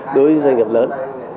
đối với doanh nghiệp lớn